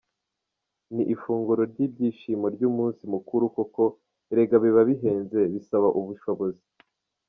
Ni ifunguro ry’ibyishimo ry’umunsi mukuru koko, erega biba bihenze, bisaba ubushobozi.